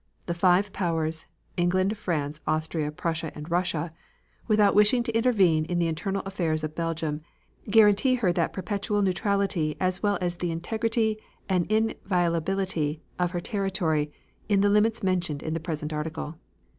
The five powers (England, France, Austria, Prussia and Russia), without wishing to intervene in the internal affairs of Belgium, guarantee her that perpetual neutrality as well as the integrity and inviolability of her territory in the limits mentioned in the present article.